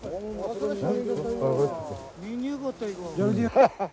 ハハハ